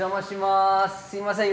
すいません